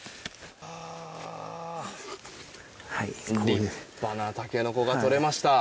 立派なタケノコがとれました。